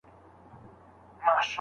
بيخي ايله خلګ يې دي .